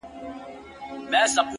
لـكــه دی لـــونــــــگ،